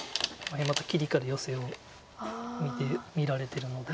また切りからヨセを見られてるので。